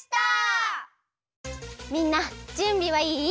みんなじゅんびはいい？